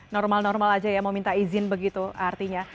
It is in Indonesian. normal normal aja ya mau minta izin begitu artinya